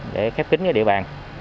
để khép kính địa bàn